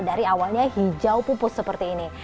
dari awalnya hijau pupus seperti ini